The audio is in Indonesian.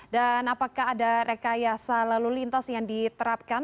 dan apakah ada rekayasa lalu lintas yang diterapkan